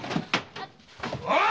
おい！